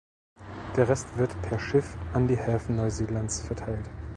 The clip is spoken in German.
Der Rest wird per Schiff an die Häfen Neuseelands verteilt.